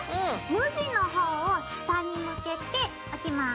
無地の方を下に向けて置きます。